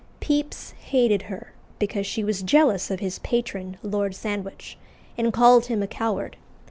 Pepys hated her, because she was jealous of his patron, Lord Sandwich, and called him a coward.